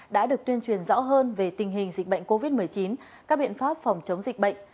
đã được tuyên truyền rõ hơn về tình hình dịch bệnh covid một mươi chín các biện pháp phòng chống dịch bệnh